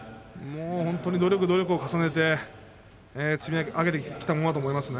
努力努力を重ねて積み上げてきたものだと思います。